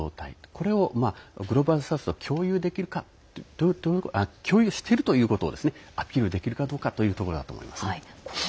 これをグローバル・サウスと共有しているということをアピールできるかどうかというところだと思います。